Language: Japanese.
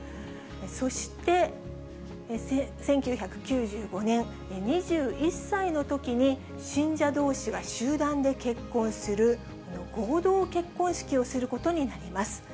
そして１９９５年、２１歳のときに、信者どうしが集団で結婚する、合同結婚式をすることになります。